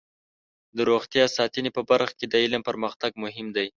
د روغتیا ساتنې په برخه کې د علم پرمختګ مهم دی.